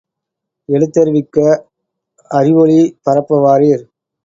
எழுத்தறிவிக்க அறிவொளி பரப்ப வாரீர்!